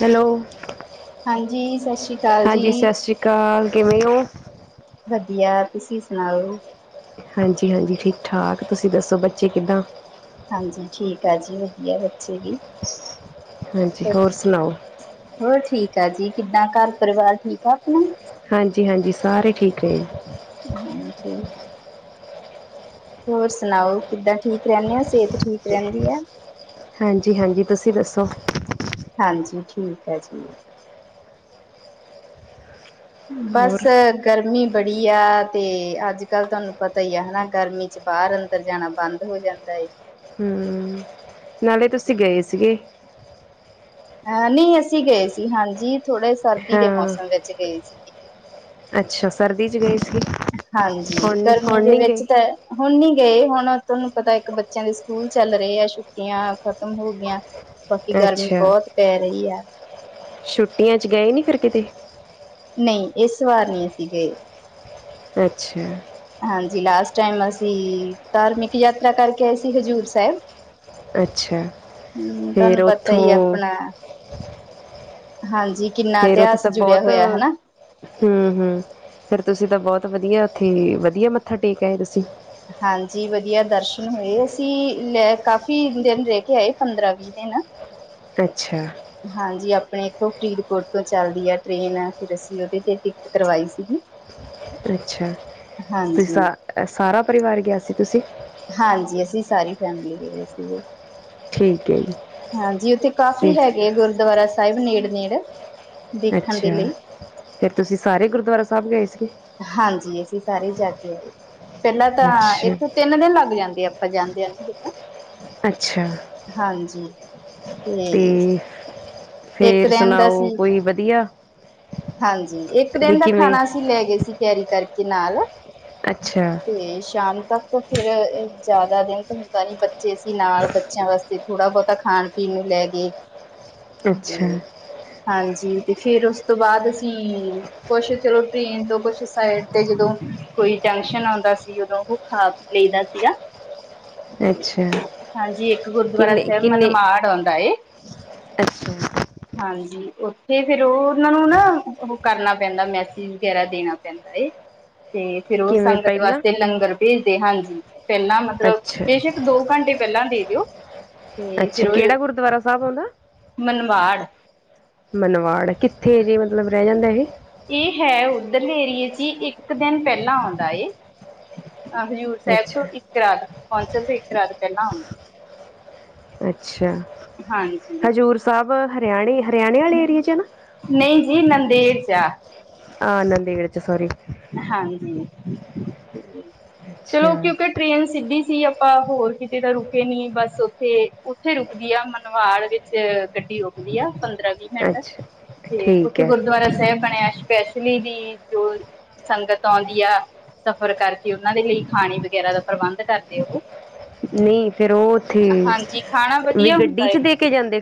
Hello ਹਾਂਜੀ ਸਤਿ ਸ਼੍ਰੀ ਅਕਾਲ ਹਾਂਜੀ ਜੀ ਸਸ ਸ਼੍ਰੀ ਕਾਲ ਕਿਵੇਂ ਓ? ਵਧੀਆ, ਤੁਸੀਂ ਸੁਣਾਓ। ਹਾਂਜੀ- ਹਾਂਜੀ ਠੀਕ-ਠਾਕ, ਤੁਸੀਂ ਦੱਸੋ ਬੱਚੇ ਕਿੱਦਾਂ? ਹਾਂਜੀ ਠੀਕ ਆ ਜੀ ਵਧੀਆ ਬੱਚੇ ਵੀ ਹਾਂਜੀ ਹੋਰ ਸੁਣਾਓ? ਹੋਰ ਠੀਕ ਆ ਜੀ ਕਿੱਦਾਂ ਘਰ ਪਰਿਵਾਰ ਠੀਕ ਆ ਆਪਣਾ ਹਾਂਜੀ ਹਾਂਜੀ ਸਾਰੇ ਠੀਕ ਰੇਨ। ਹੂੰ ਸਹੀ। ਹੋਰ ਸੁਣਾਓ ਕਿੱਦਾਂ ਠੀਕ ਰਹਿੰਨੇ ਓ ਸਿਹਤ ਠੀਕ ਰਹਿੰਦੀ ਐ? ਹਾਂਜੀ- ਹਾਂਜੀ, ਤੁਸੀਂ ਦੱਸੋ? ਹਾਂਜੀ ਠੀਕ ਐ ਜੀ। ਹੋਰ ਬਸ ਐ ਗਰਮੀ ਬੜੀ ਐ ਤੇ ਅੱਜ-ਕੱਲ੍ਹ ਤੁਹਾਨੂੰ ਪਤਾ ਹੀ ਐ ਹਨਾ ਗਰਮੀ ਚ ਬਾਹਰ ਨਿਕਲ ਜਾਣਾ ਬੰਦ ਹੋ ਜਾਂਦਾ ਏ। ਹੂੰ, ਨਾਲੇ ਤੁਸੀਂ ਗੇ ਸੀਗੇ? ਹੈ, ਨਈ ਅਸੀਂ ਗਏ ਸੀ ਹਾਂਜੀ ਥੋੜੇ ਸਰਦੀ ਦੇ ਹਾਂ ਮੌਸਮ ਵਿੱਚ ਗਏ ਸੀਗੇ। ਅੱਛਾ ਸਰਦੀ 'ਚ ਗੇ ਸੀ। ਹਾਂਜੀ ਹੁਣ ਨਹੀਂ ਗਰਮੀ ਹੁਣ ਦੇ ਨਹੀਂ ਗਏ? ਵਿੱਚ ਤਾਂ ਐ ਹੁਣ ਨੀ ਗੇ ਹੁਣ ਤੁਆਨੂੰ ਪਤਾ ਇੱਕ ਬੱਚਿਆਂ ਦੇ ਸਕੂਲ ਚੱਲ ਰਹੇ ਆ ਛੁੱਟੀਆਂ ਖਤਮ ਹੋ ਗਈਆਂ। ਬਾਕੀ ਗਰਮੀ ਅੱਛਾ ਬੋਤ ਪੈ ਰਹੀ ਐ। ਛੁੱਟੀਆਂ ਚ ਗਏ ਨੀ ਫਿਰ ਕਿਤੇ? ਨਈ ਇਸ ਵਾਰ ਨੀ ਅਸੀਂ ਗੇ। ਅੱਛਾ। ਹਾਂਜੀ ਲਾਸਟ ਟਾਈਮ ਅਸੀਂ ਧਾਰਮਿਕ ਯਾਤਰਾ ਕਰਕੇ ਆਏ ਸੀ ਹਜ਼ੂਰ ਸਾਹਿਬ। ਅੱਛਾ ਹੂੰ ਫੇਰ ਤਾਨੂੰ ਪਤਾ ਈ ਉੱਥੋਂ ਆਪਣਾ ਹਾਂਜੀ ਕਿੰਨਾ ਫੇਰ ਉੱਥੇ ਇਤਿਹਾਸ ਤਾਂ ਜੁੜਿਆ ਬਹੁਤ ਹੋਇਆ ਹਨਾ। ਹੂੰ ਹੂੰ ਫੇਰ ਤੁਸੀ ਤਾਂ ਬੋਤ ਵਧੀਆ ਉੱਥੇ ਵਧੀਆ ਮੱਥਾ ਟੇਕ ਆਏ ਤੁਸੀ ਹਾਂਜੀ ਵਧੀਆ ਦਰਸ਼ਨ ਹੋਏ ਸੀ ਲੈ ਕਾਫੀ ਦਿਨ ਰੈ ਕੇ ਆਏ ਪੰਦਰਾਂ ਜਿਦੇ ਨਾ ਅੱਛਾ ਹਾਂਜੀ ਆਪਣੇ ਇੱਥੋਂ ਫਰੀਦਕੋਟ ਤੋਂ ਚੱਲਦੀ ਏ ਟ੍ਰੇਨ ਫਿਰ ਅਸੀਂ ਉਦੇ ਤੇ ਟਿਕਟ ਕਰਵਾਈ ਸੀਗੀ। ਅੱਛਾ ਤੁਸ ਹਾਂਜੀ, ਸਾਰਾ-ਸਾਰਾ ਪਰਿਵਾਰ ਗਿਆ ਸੀ ਤੁਸੀ ਹਾਂਜੀ ਅਸੀਂ ਸਾਰੀ ਫੈਮਿਲੀ ਗਏ ਹੋਏ ਸੀਗੇ। ਠੀਕ ਏ ਜੀ। ਹਾਂਜੀ ਉੱਥੇ ਤੇ ਕਾਫੀ ਹੈਗੇ ਆ ਗੁਰਦੁਆਰਾ ਸਾਹਿਬ ਨੇੜ-ਨੇੜ ਅੱਛਾ ਫਿਰ ਤੁਸੀ ਸਾਰੇ ਗੁਰਦੁਆਰਾ ਸਾਹਿਬ ਗਏ ਸੀ। ਹਾਂਜੀ ਅਸੀਂ ਸਾਰੇ ਜਾਕੇ ਆਕੇ ਪੈਲਾਂ ਤਾਂ ਅੱਛਾ ਇੱਥੋਂ ਤਿੰਨ ਦਿਨ ਲੱਗ ਜਾਂਦੇ ਆ। ਪਰ ਜਾਂਦੇ ਆ ਨਾ ਜਦੋਂ ਅੱਛਾ ਹਾਂਜੀ ਤੇ ਇੱਕ ਫੇਰ ਦਿਨ ਦਾ ਸੁਣਾਓ ਸੀ ਕੋਈ ਵਧੀਆ ਹਾਂਜੀ ਇੱਕ ਵੀ ਦਿਨ ਦਾ ਕਿਵੇਂ ਖਾਣਾ ਅਸੀ ਲੈ ਗਏ ਸੀ ਕੈਰੀ ਕਰਕੇ ਨਾਲ ਅੱਛਾ ਤੇ ਸ਼ਾਮ ਤੱਕ ਫੇਰ ਜਾਦਾ ਦਿਨ ਤਾਂ ਹੁੰਦਾ ਨੀ ਬੱਚੇ ਸੀ ਨਾਲ ਬੱਚਿਆਂ ਵਾਸਤੇ ਤੇ ਥੋੜਾ-ਬਹੁਤਾ ਖਾਣ-ਪੀਣ ਨੂੰ ਲੈ ਗੇ। ਅੱਛਾ ਹਾਂਜੀ ਤੇ ਫੇਰ ਉਸ ਤੋਂ ਬਾਦ ਅਸੀਂ ਕੁਛ ਚਲੋ ਟ੍ਰੇਨ ਤੋਂ ਕੁਛ ਸਾਈਡ ਤੇ ਜਦੋਂ ਕੋਈ ਜੰਕਸ਼ਨ ਆਉਂਦਾ ਸੀ ਉਦੋਂ ਉਹ ਖਾ-ਪੀ ਲਈ ਦਾ ਸੀਗਾ। ਅੱਛਾ ਹਾਂਜੀ ਇੱਕ ਗੁਰਦੁਆਰਾ ਕਿੰਨੇ ਸਾਹਿਬ ਕਿੰਨੇ ਮਨਮਾੜ ਆਉਂਦਾ ਏ। ਅੱਛਾ ਹਾਂਜੀ ਉੱਥੇ ਫੇਰ ਓ ਉਨਾਂ ਨੂੰ ਨਾ ਓ ਕਰਨਾ ਪੈਂਦਾ ਮੈਸੇਜ ਵਗੈਰਾ ਦੇਣਾ ਤੇ ਫਿਰ ਓ ਕਿਵੇਂ ਸੰਗਤ ਪਹਿਲਾਂ ਵਾਸਤੇ ਲੰਗਰ ਭੇਜਦੇ ਹਾਂਜੀ। ਪੈਲਾਂ ਮਤਲਬ ਅੱਛਾ ਬੇਸ਼ੱਕ ਦੋ ਘੰਟੇ ਪੈਲਾਂ ਦੇ ਦਿਓ। ਤੇ ਅੱਛਾ ਫਿਰ ਉਹੀ ਕਿਹੜਾ [unintelligible] ਗੁਰਦੁਆਰਾ ਸਾਹਿਬ ਆਉਂਦਾ ਮਨਵਾੜ ਮਨਵਾੜ ਕਿੱਥੇ ਜੇ ਮਤਲਬ ਰੈ ਜਾਂਦਾ ਏ। ਏ ਹੈ ਉਧਰ ਲੇ ਏਰੀਏ 'ਚ ਈ ਇੱਕ ਦਿਨ ਪੈਲਾਂ ਆਉਂਦਾ ਏ। ਹਾਂ ਹਜ਼ੂਰ ਸਾਹਿਬ ਤੋਂ ਅੱਛਾ ਇੱਕ ਰਾਤ ਪਹੁੰਚਣ ਤੇ ਇੱਕ ਰਾਤ ਪੈਲਾਂ ਆਉਂਦਾ। ਅੱਛਾ ਹਾਂਜੀ ਹਜ਼ੂਰ ਸਾਹਿਬ ਹਰਿਆਣੇ-ਹਰਿਆਣੇ ਆਲੇ ਏਰੀਏ 'ਚ ਏ ਨਾ। ਨਈ ਜੀ ਨੰਦੇੜ 'ਚ ਆ। ਆਹ ਨੰਦੇੜ 'ਚ ਸੋਰੀ ਹਾਂਜੀ ਚਲੋ ਓਕੇ-ਓਕੇ ਅੱਛਾ ਟ੍ਰੇਨ ਸਿੱਧੀ ਸੀ ਆਪਾਂ ਹੋਰ ਕਿਤੇ ਤਾਂ ਰੁਕੇ ਨੀ ਬਸ ਉੱਥੇ-ਉੱਥੇ ਰੁਕਦੀ ਆ ਮਨਵਾੜ ਵਿੱਚ 'ਚ ਗੱਡੀ ਰੁਕਦੀ ਆ ਪੰਦਰਾਂ-ਵੀਹ ਅੱਛਾ ਤੇ ਠੀਕ ਓਥੇ ਹੈ ਗੁਰਦੁਆਰਾ ਸਾਹਿਬ ਬਣਿਆ ਆ ਸਪੈਸ਼ਲੀ ਦੀ ਜੋ ਸੰਗਤ ਆਉਂਦੀ ਆ। ਸਫ਼ਰ ਕਰਕੇ ਉਨਾਂ ਦੇ ਲਈ ਖਾਣੇ ਵਗੈਰਾ ਦਾ ਪ੍ਰਬੰਧ ਕਰਦੇ ਆ ਓਹੋ ਨਈ ਫੇਰ ਓ ਉੱਥੇ ਹਾਂਜੀ ਖਾਣਾ ਵੀ ਵਧੀਆ ਹੁੰਦਾ ਗੱਡੀ 'ਚ ਦੇ ਹੈ ਕੇ ਜਾਂਦੇ।